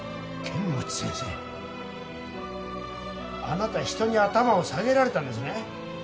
あなた人に頭を下げられたんですね